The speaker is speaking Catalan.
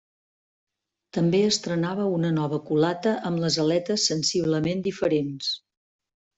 També estrenava una nova culata amb aletes sensiblement diferents.